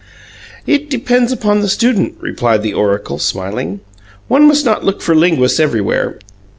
"It depends upon the student," replied the oracle smiling. "One must not look for linguists everywhere.